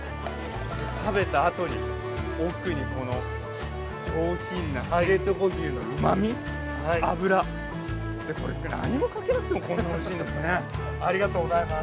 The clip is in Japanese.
食べたあとに奥に上品な知床牛のうまみ脂、これ、何もかけなくてもこんなおいしいんですね。